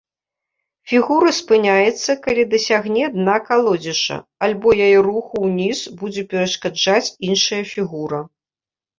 Фігура спыняецца, калі дасягне дна калодзежа, альбо яе руху ўніз будзе перашкаджаць іншая фігура.